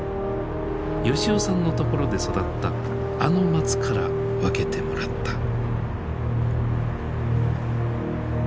吉男さんの所で育ったあの松から分けてもらった。